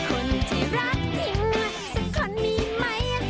คนที่รักจริงสักคนมีไหม